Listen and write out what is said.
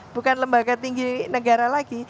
bukan lembaga tinggi negara lagi